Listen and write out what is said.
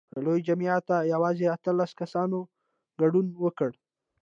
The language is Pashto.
له لوی جمعیته یوازې اتلس کسانو ګډون وکړ.